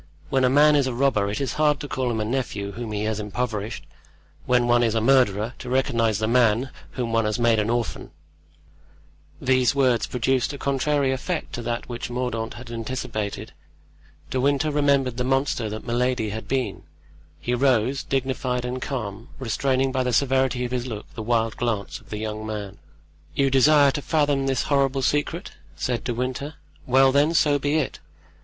When a man is a robber it is hard to call him nephew whom he has impoverished; when one is a murderer, to recognize the man whom one has made an orphan." These words produced a contrary effect to that which Mordaunt had anticipated. De Winter remembered the monster that Milady had been; he rose, dignified and calm, restraining by the severity of his look the wild glance of the young man. "You desire to fathom this horrible secret?" said De Winter; "well, then, so be it.